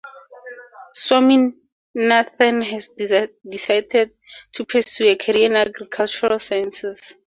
Swaminathan then decided to pursue a career in agricultural sciences.